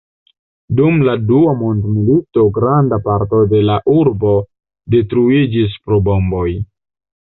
Dum la dua mondmilito granda parto de la urbo detruiĝis pro bomboj.